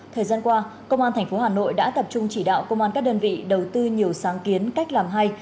thời gian qua công an tp hà nội đã tập trung chỉ đạo công an các đơn vị đầu tư nhiều sáng kiến cách làm hay